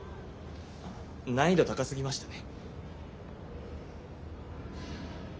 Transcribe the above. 難易度高すぎましたね。